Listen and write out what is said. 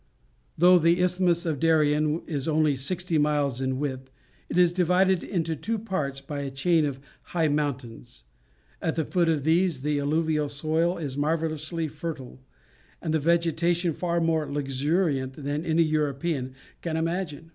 Though the Isthmus of Darien is only sixty miles in width, it is divided into two parts by a chain of high mountains; at the foot of these the alluvial soil is marvellously fertile, and the vegetation far more luxuriant than any European can imagine.